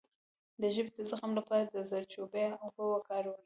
د ژبې د زخم لپاره د زردچوبې اوبه وکاروئ